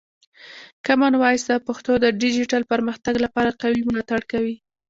کامن وایس د پښتو د ډیجیټل پرمختګ لپاره قوي ملاتړ کوي.